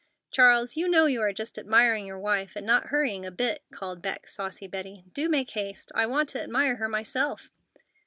"Charles, you know you are just admiring your wife, and not hurrying a bit," called back saucy Betty. "Do make haste. I want to admire her myself."